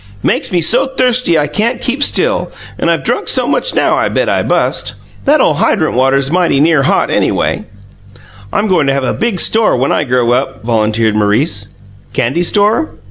"Makes me so thirsty I can't keep still, and I've drunk so much now I bet I bust. That ole hydrant water's mighty near hot anyway." "I'm goin' to have a big store, when I grow up," volunteered Maurice. "Candy store?"